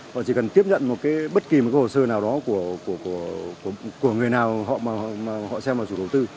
họ chỉ cần tiếp nhận bất kỳ một hồ sơ nào đó của người nào họ xem là chủ đầu tư